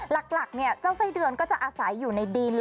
หลักเจ้าไส้เดือนก็จะอาศัยอยู่ในดิน